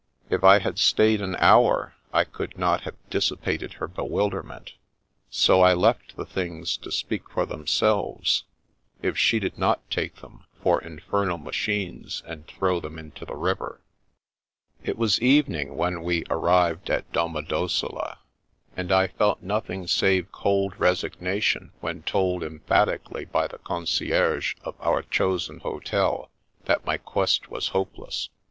If I had stayed an hour, I could not have dissipated her bewilderment, so I left the things to speak for themselves — if she did not take them for infernal machines and throw them into the river. 76 The Princess Passes It was evening when we arrived at Domodossola, and I felt nothing save cold resignation when told emphatically by the concierge of our chosen hotel that my quest was hopeless.